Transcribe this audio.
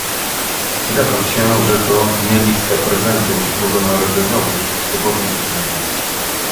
Zgadzam się, że to nie lista prezentów bożonarodzeniowych czy pobożnych życzeń